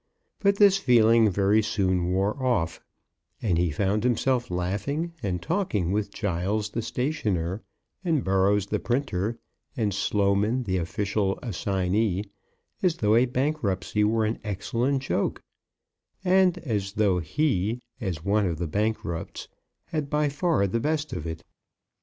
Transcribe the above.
But this feeling very soon wore off, and he found himself laughing and talking with Giles the stationer, and Burrows the printer, and Sloman the official assignee, as though a bankruptcy were an excellent joke; and as though he, as one of the bankrupts, had by far the best of it.